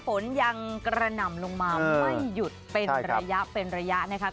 ฝนยังกระหน่ำลงมาไม่หยุดเป็นระยะเป็นระยะนะคะ